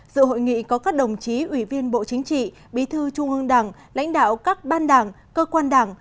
dự hội nghị có các đồng chí ủy viên bộ chính trị bí thư trung ương đảng lãnh đạo các ban đảng cơ quan đảng